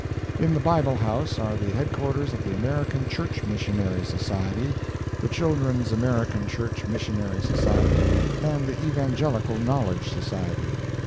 In the Bible House are the headquarters of the American Church Missionary Society, the Children's American Church Missionary Society, and the Evangelical Knowledge Society.